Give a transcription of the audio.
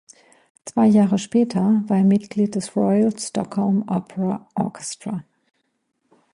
Zwei Jahre später war er Mitglied des Royal Stockholm Opera Orchestra.